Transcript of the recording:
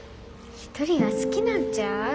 一人が好きなんちゃう？